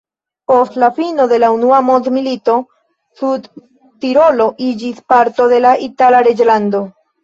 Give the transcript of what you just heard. Post la fino de la unua mondmilito Sudtirolo iĝis parto de la Itala reĝlando.